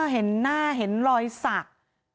เห็นหน้าเห็นรอยสัก